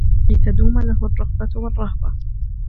لِتَدُومَ لَهُ الرَّغْبَةُ وَالرَّهْبَةُ